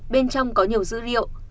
bên trong có nhiều dữ liệu